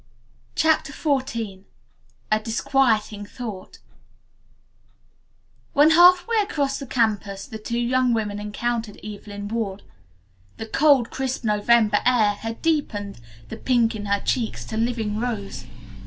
CHAPTER XIV A DISQUIETING THOUGHT When half way across the campus the two young women encountered Evelyn Ward. The cold crisp November air had deepened the pink in her cheeks to living rose.